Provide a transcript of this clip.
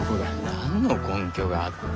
何の根拠があって。